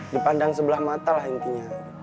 dipandang sebelah mata lah intinya